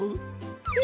え！？